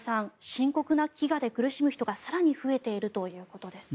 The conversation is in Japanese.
深刻な飢餓で苦しむ人が更に増えているということです。